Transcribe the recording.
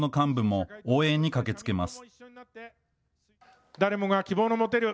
推薦する政党の幹部も応援に駆けつけます。